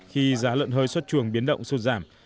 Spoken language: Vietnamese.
khi giá lợn hơi xuất chuồng biến động sụt giảm